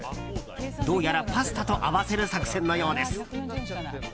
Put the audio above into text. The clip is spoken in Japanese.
どうやらパスタと合わせる作戦のようです。